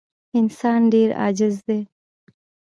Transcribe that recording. انسان ډېر عاجز دی.